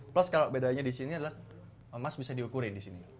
plus kalau bedanya disini adalah mas bisa diukurin disini